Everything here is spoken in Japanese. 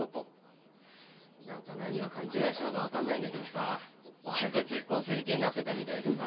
なんか何を勘違いしたのかわかんないんだけどさ俺と結婚する気になってたみたいでさ。